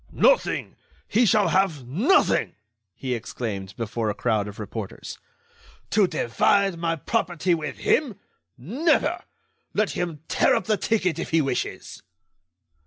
"Nothing! He shall have nothing!" he exclaimed, before a crowd of reporters. "To divide my property with him? Never! Let him tear up the ticket if he wishes!"